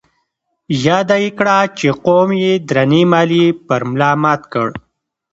ياده يې کړه چې قوم يې درنې ماليې پر ملا مات کړ.